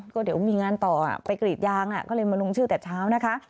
ก็เดี๋ยวมีงานต่อไปกรีดยางก็เลยมาลงชื่อแต่เช้านะคะ